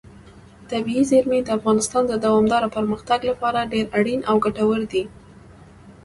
طبیعي زیرمې د افغانستان د دوامداره پرمختګ لپاره ډېر اړین او ګټور دي.